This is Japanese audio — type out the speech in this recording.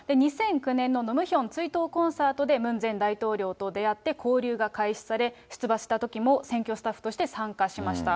２００９年のノ・ムヒョン追悼コンサートでムン前大統領と出会って、交流が開始され、出馬したときも選挙スタッフとして参加しました。